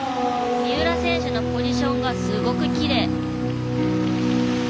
三浦選手のポジションがすごくきれい。